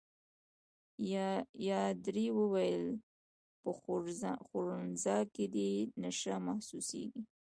پادري وویل: په خوړنځای کې دي تشه محسوسيږي.